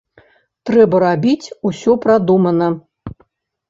Трэба рабіць усё прадумана.